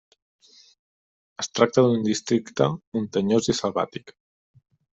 Es tracta d'un districte muntanyós i selvàtic.